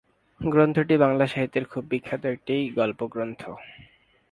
গ্রন্থটি বাংলা সাহিত্যের খুব বিখ্যাত একটি গল্পগ্রন্থ।